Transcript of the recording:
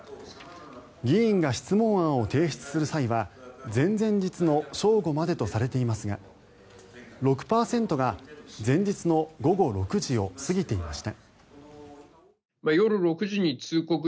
議員が質問案を提出する際は前々日の正午までとされていますが６％が前日の午後６時を過ぎていました。